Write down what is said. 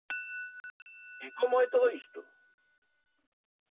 E como é todo isto?